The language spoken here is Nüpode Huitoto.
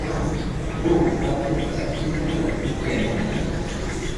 ¿Buu atɨka llɨkɨa illemona?